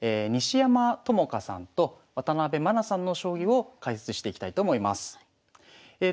西山朋佳さんと渡部愛さんの将棋を解説していきたいと思います。